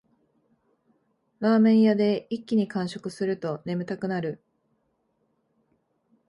ラーメン屋で一気に完食すると眠たくなる